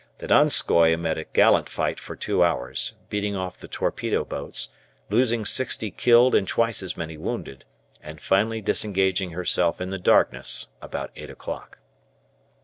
The "Donskoi" made a gallant fight for two hours, beating off the torpedo boats, losing sixty killed and twice as many wounded, and finally disengaging herself in the darkness about eight o'clock.